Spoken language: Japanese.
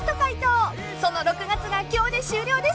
［その６月が今日で終了です。